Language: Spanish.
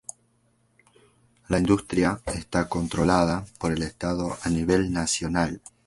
La industria está controlada por el Estado a nivel nacional.